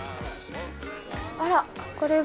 あらこれは。